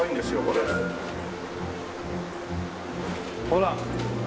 ほら！